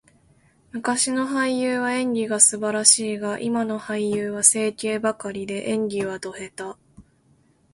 昔の俳優は演技が素晴らしいが、今の俳優は整形ばかりで、演技はド下手。